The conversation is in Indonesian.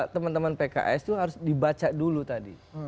teman teman pks itu harus dibaca dulu tadi